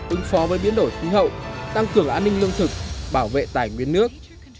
ứng phó với biến đổi khí hậu tăng cường an ninh lương thực bảo vệ tài nguyên nước